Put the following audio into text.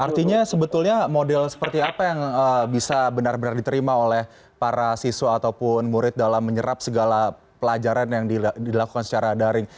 artinya sebetulnya model seperti apa yang bisa benar benar diterima oleh para siswa ataupun murid dalam menyerap segala pelajaran yang dilakukan secara daring